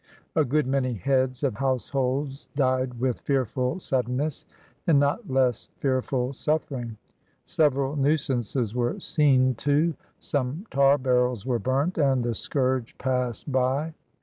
A good many heads of households died with fearful suddenness and not less fearful suffering. Several nuisances were "seen to," some tar barrels were burnt, and the scourge passed by.